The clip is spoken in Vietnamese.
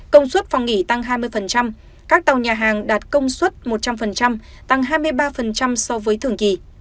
công suất phòng nghỉ tăng hai mươi các tàu nhà hàng đạt công suất một trăm linh tăng hai mươi ba so với thường kỳ